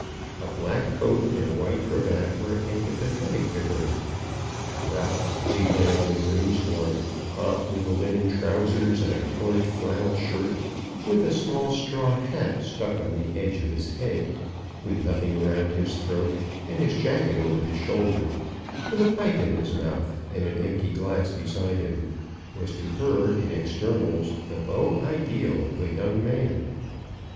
A black coat and a white cravat were antipathetic to her. Ralph, as he lay on the green sward, hot, with linen trousers and a coloured flannel shirt, with a small straw hat stuck on the edge of his head, with nothing round his throat, and his jacket over his shoulder, with a pipe in his mouth and an empty glass beside him, was to her, in externals, the beau ideal of a young man.